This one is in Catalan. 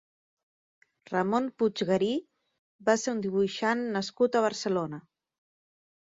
Ramon Puiggarí va ser un dibuixant nascut a Barcelona.